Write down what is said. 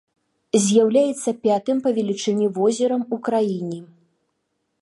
З'яўляецца пятым па велічыні возерам у краіне.